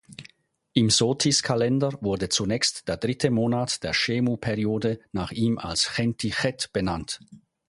Im Sothis-Kalender wurde zunächst der dritte Monat der Schemu-Periode nach ihm als Chenti-chet benannt.